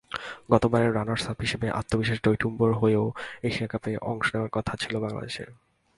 গতবারের রানার্সআপ হিসেবে আত্মবিশ্বাসে টইটম্বুর হয়েই এশিয়া কাপে অংশ নেওয়ার কথা ছিল বাংলাদেশের।